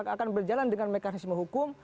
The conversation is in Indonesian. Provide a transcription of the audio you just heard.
akan berjalan dengan mekanisme hukum